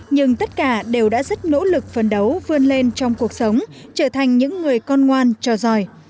nhưng tất cả đều đã rất nỗ lực phấn đấu vươn lên trong cuộc sống trở thành những người con ngoan trò giỏi